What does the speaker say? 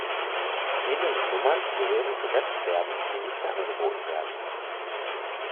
Fehlende Nummern gehören zu Wettbewerben, die nicht mehr angeboten werden.